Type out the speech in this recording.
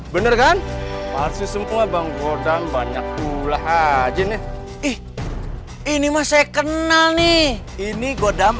bener kan pasti semua bang godang banyak gula hajinnya ih ini mah saya kenal nih ini godang